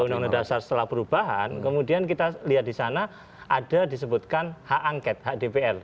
undang undang dasar setelah perubahan kemudian kita lihat di sana ada disebutkan hak angket hak dpr